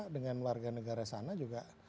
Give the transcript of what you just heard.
dengan warga negara sana juga